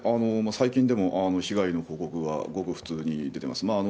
最近でも被害の報告が、ごく普通に出てます。